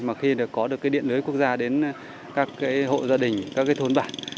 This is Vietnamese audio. mà khi được có được cái điện lưới quốc gia đến các cái hộ gia đình các cái thốn bản